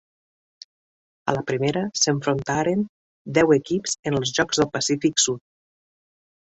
A la primera s'enfrontaren deu equips en els Jocs del Pacífic Sud.